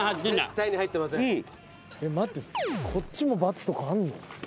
えっ待ってこっちもバツとかあんの？